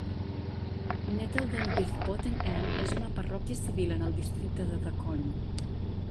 Nettleden with Potten End és una parròquia civil en el districte de Dacorum.